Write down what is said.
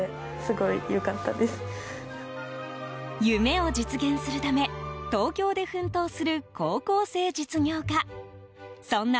夢を実現するため東京で奮闘する高校生実業家。